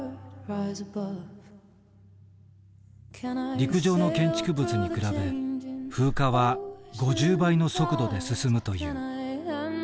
陸上の建築物に比べ風化は５０倍の速度で進むという。